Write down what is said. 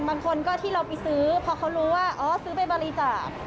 บางคนก็ที่เราไปซื้อเพราะเขารู้ว่าอ๋อซื้อไปบริจาค